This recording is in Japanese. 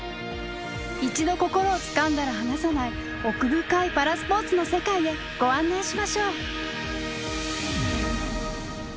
一度心をつかんだら離さない奥深いパラスポーツの世界へご案内しましょう。